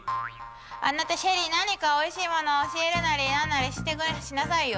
あなたシェリ何かおいしいものを教えるなりなんなりしてくれしなさいよ。